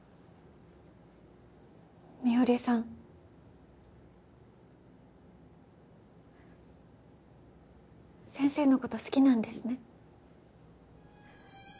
みおりさん先生のこと好きなんですね